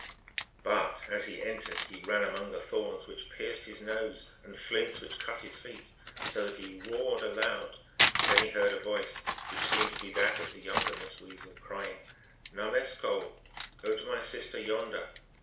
But, as he entered, he ran among the Thorns, which pierced his nose, and Flints, which cut his feet, so that he roared aloud. Then he heard a voice, which seemed to be that of the younger Miss Weasel, crying " Names cole " (M.), " Go to my sister, yonder